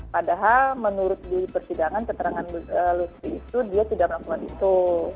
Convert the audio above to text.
padahal menurut di persidangan keterangan lutfi itu dia tidak melakukan itu